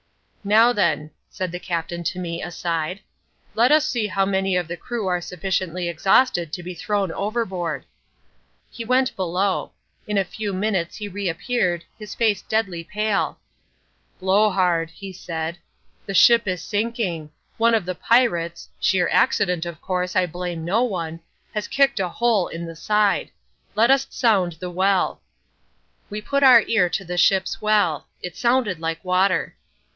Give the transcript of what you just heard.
"Now, then," said the Captain to me aside, "let us see how many of the crew are sufficiently exhausted to be thrown overboard." He went below. In a few minutes he re appeared, his face deadly pale. "Blowhard," he said, "the ship is sinking. One of the pirates (sheer accident, of course, I blame no one) has kicked a hole in the side. Let us sound the well." We put our ear to the ship's well. It sounded like water.